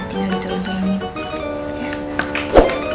tinggal diturunkan ini bu